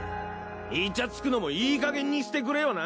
イチャつくのもいいかげんにしてくれよな。